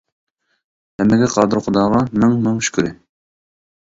ھەممىگە قادىر خۇداغا مىڭ، مىڭ شۈكرى!